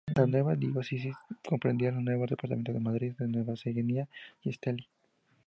La nueva diócesis comprendería los departamentos de Madriz, Nueva Segovia y Estelí.